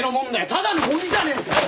ただのゴミじゃねえかよ！